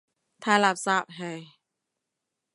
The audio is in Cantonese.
太垃圾，唉。